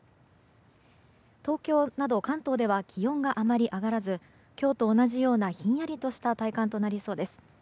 東京など関東では気温があまり上がらず今日と同じようなひんやりとした体感となりそうです。